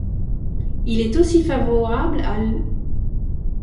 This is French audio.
Il est aussi favorable à l'.